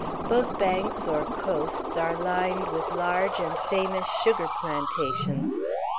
Both banks, or "coasts," are lined with large and famous sugar plantations.